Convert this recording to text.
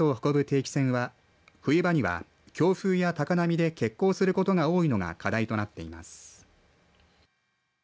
定期船は冬場には強風や高波で欠航することが多いのが課題となっています。